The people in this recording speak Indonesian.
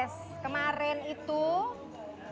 sayang ya lah